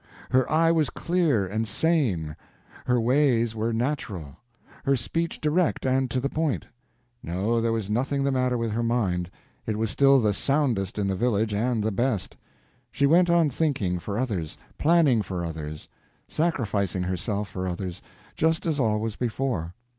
Her eye was clear and sane, her ways were natural, her speech direct and to the point. No, there was nothing the matter with her mind; it was still the soundest in the village and the best. She went on thinking for others, planning for others, sacrificing herself for others, just as always before.